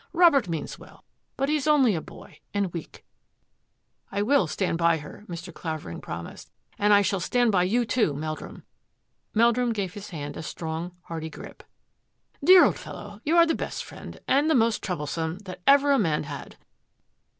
Robert means well, but he's only a boy, and weak." " I will stand by her," Mr. Clavering promised, " and I shall stand by you, too, Meldrum." Meldrum gave his hand a strong, hearty grip. " Dear old fellow, you are the best friend — and the most troublesome — that ever a man had."